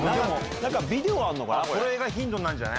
なんかビデオあるのかな？